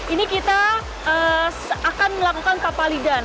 ini kita akan melakukan papalidan